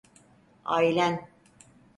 Ailen.